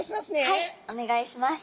はいお願いします。